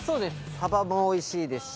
サバもおいしいし。